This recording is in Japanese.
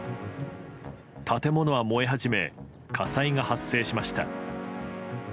建物は燃え始め火災が発生しました。